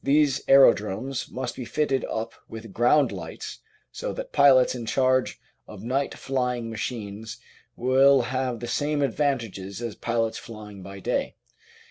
These aerodromes must be fitted up with ground lights so that pilots in charge of night flying machines will have the same advantages as pilots flying by day.